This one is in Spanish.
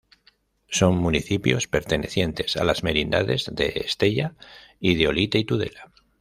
Son municipios pertenecientes a las merindades de Estella, de Olite y Tudela.